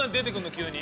急に。